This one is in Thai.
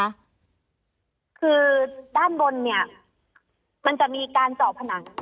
คือด้านบนเนี่ยมันจะมีการเจาะผนัง